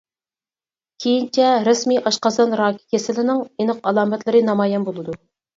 كېيىنچە رەسمىي ئاشقازان راكى كېسىلىنىڭ ئېنىق ئالامەتلىرى نامايان بولىدۇ.